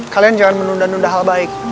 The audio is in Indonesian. kalian jangan menunda nunda hal baik